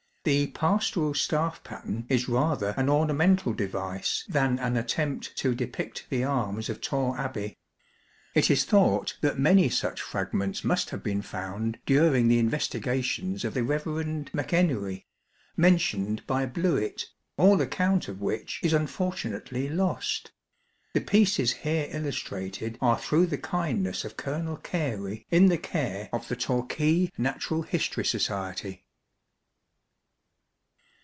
The pastoral staff pattern is rather an ornamental device than an attempt to depict the arms of Torre Abbey. It is thought that many such fragments must have been found during the investiga tions of the Rev. MacEnery, mentioned by Blewitt, all account of which is unfortunately lost : the pieces here illustrated are through the kindness of Colonel Gary in the care of the Torquay Natural History Society.